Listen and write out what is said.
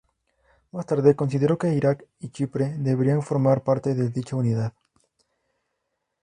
Más tarde consideró que Iraq y Chipre debían formar parte de dicha unidad.